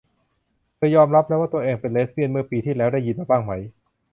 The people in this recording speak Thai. เธอยอมรับแล้วว่าตัวเองเป็นเลสเบียนเมื่อปีที่แล้ว ได้ยินมาบ้างไหม ?